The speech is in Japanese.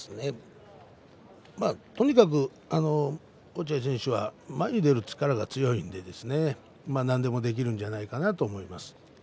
落合選手は前に出る力が強いので何でもできるんじゃないかなと思います。